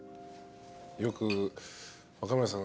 よく若村さん。